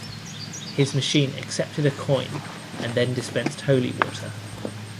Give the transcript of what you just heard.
His machine accepted a coin and then dispensed holy water.